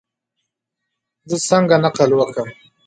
زه څنګه نقل وکم؟